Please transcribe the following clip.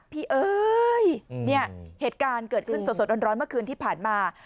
เอ้ยเนี่ยเหตุการณ์เกิดขึ้นสดร้อนเมื่อคืนที่ผ่านมา